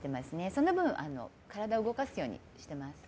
その分体を動かすようにしてます。